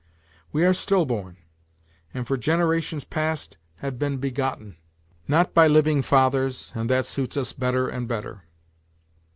We are stillborn, and for generations past have been begotten, NOTES FROM UNDERGROUND 155 not by living fathers, and that suits us better and better.